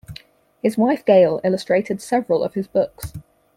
His wife Gail illustrated several of his books.